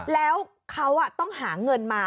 แล้วเขาต้องหาเงินมา